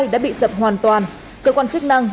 đã bị dập hoàn toàn cơ quan chức năng